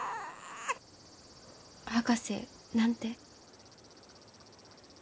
博士何て？